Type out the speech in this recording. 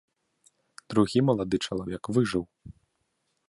Другі малады чалавек выжыў.